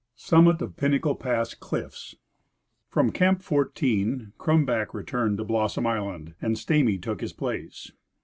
Summit of Pinnacle Pass Cliffs. From Camp 14 Crumback returned to Blossom island, and Stamy took his place.